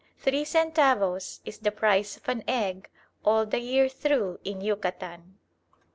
Three centavos is the price of an egg all the year through in Yucatan!